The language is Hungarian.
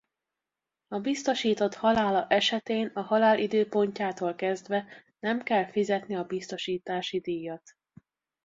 A biztosított halála esetén a halál időpontjától kezdve nem kell fizetni a biztosítási díjat.